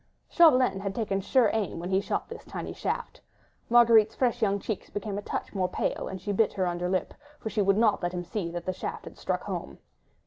Chauvelin had taken sure aim when he shot this tiny shaft. Marguerite's fresh young cheeks became a thought more pale and she bit her under lip, for she would not let him see that the shaft had struck home.